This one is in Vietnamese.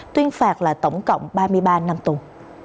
tuyên phạt là tổng cộng ba mươi ba năm tù